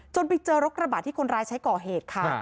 ไปเจอรถกระบะที่คนร้ายใช้ก่อเหตุค่ะ